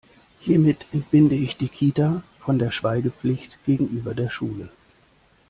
Hiermit entbinde ich die Kita von der Schweigepflicht gegenüber der Schule.